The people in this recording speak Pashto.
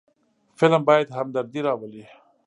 فلم باید همدردي راولي